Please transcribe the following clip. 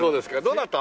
どなた？